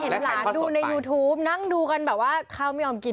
หลานดูในยูทูปนั่งดูกันแบบว่าข้าวไม่ยอมกิน